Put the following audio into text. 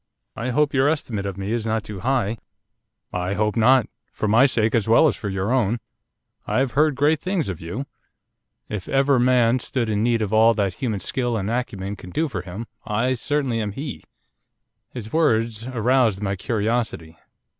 'I hope your estimate of me is not too high.' 'I hope not, for my sake, as well as for your own. I have heard great things of you. If ever man stood in need of all that human skill and acumen can do for him, I certainly am he.' His words aroused my curiosity.